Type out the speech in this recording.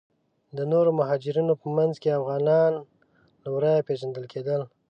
د نورو مهاجرینو په منځ کې افغانان له ورایه پیژندل کیدل.